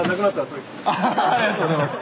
アハハありがとうございます。